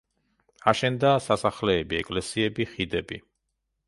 აშენდა სასახლეები, ეკლესიები, ხიდები.